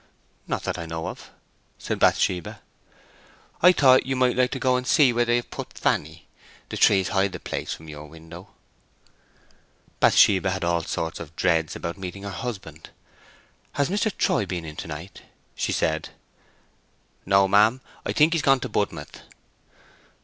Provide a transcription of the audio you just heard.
"Not that I know of," said Bathsheba. "I thought you might like to go and see where they have put Fanny. The trees hide the place from your window." Bathsheba had all sorts of dreads about meeting her husband. "Has Mr. Troy been in to night?" she said. "No, ma'am; I think he's gone to Budmouth."